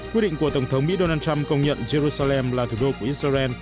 quyết định của tổng thống mỹ donald trump công nhận jerusalem là thủ đô của israel